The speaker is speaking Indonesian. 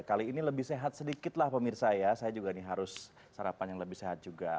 kali ini lebih sehat sedikit lah pemirsa ya saya juga nih harus sarapan yang lebih sehat juga